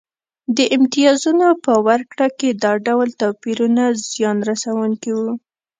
د امتیازونو په ورکړه کې دا ډول توپیرونه زیان رسونکي وو